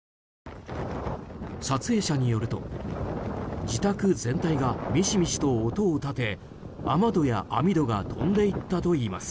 撮影者によると自宅全体がミシミシと音を立て雨戸や網戸が飛んでいったといいます。